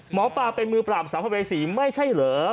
หมอป่าเป็นมือปร่ำสรรพเวสิไม่ใช่เหรอ